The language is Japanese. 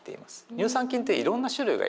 乳酸菌っていろんな種類がいるんですね。